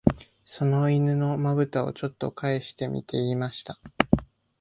その犬の眼ぶたを、ちょっとかえしてみて言いました